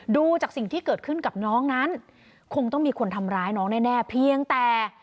ดูจากสิ่งที่เกิดขึ้นกับน้องนั้นคงต้องมีคนทำร้ายน้องแน่เพียงแต่